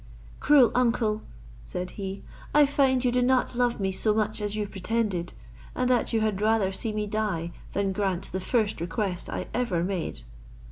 "Cruel uncle," said he. "I find you do not love me so much as you pretended, and that you had rather see me die than grant the first request I ever made."